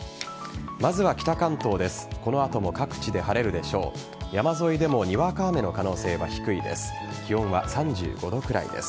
まずは北関東です。